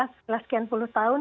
setelah sekian puluh tahun